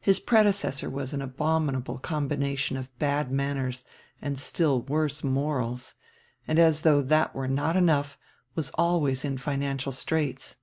His predecessor was an abominable combination of bad manners and still worse morals and, as diough diat were not enough, was always in financial straits.